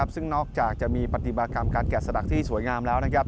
ซึ่งนอกจากจะมีปฏิบัติกรรมการแกะสลักที่สวยงามแล้ว